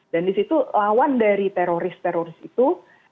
dan di situ lawan dari teroris teroris itu